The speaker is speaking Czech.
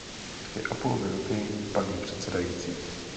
Dvě a půl minuty, paní předsedající.